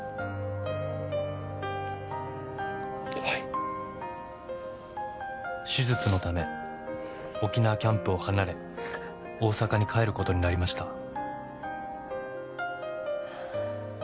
はい手術のため沖縄キャンプを離れ大阪に帰ることになりました